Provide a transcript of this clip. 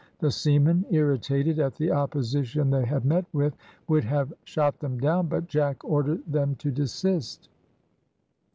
The seamen, irritated at the opposition they had met with, would have shot them down, but Jack ordered them to desist.